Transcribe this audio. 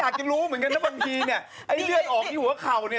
อยากจะรู้เหมือนกันนะบางทีเนี่ยไอ้เลือดออกที่หัวเข่าเนี่ย